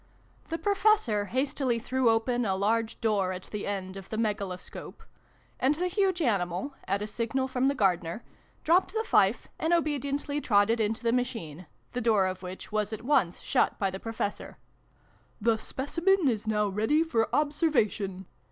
The Professor hastily threw open a large door at the end of the Megaloscope, and the huge animal, at a signal from the Gardener, dropped the fife, and obediently trotted into the machine, the door of which was at once shut by the Professor. " The Specimen is now ready for observation